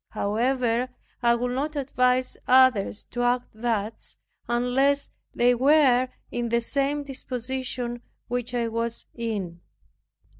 However, I would not advise others to act thus, unless they were in the same disposition which I was in.